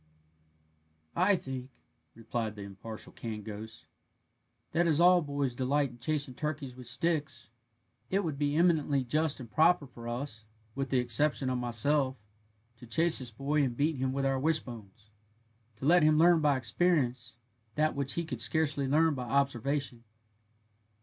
"I think," replied the impartial canned ghost, "that as all boys delight in chasing turkeys with sticks, it would be eminently just and proper for us, with the exception of myself, to chase this boy and beat him with our' wishbones, to let him learn by experience that which he could scarcely learn by observation."